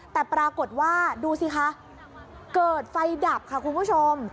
แต่ปรากฏว่าดูสิคะเกิดไฟดับค่ะคุณผู้ชม